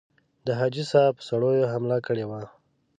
د حاجي صاحب سړیو حمله کړې وه.